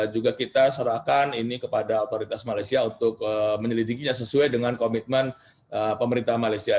juga kita serahkan ini kepada otoritas malaysia untuk menyelidikinya sesuai dengan komitmen pemerintah malaysia